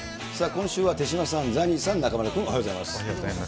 今週は手嶋さん、ザニーさん、中丸君、おはようございます。